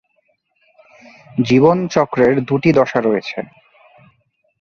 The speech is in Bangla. জীবন চক্রের দু’টি দশা রয়েছে।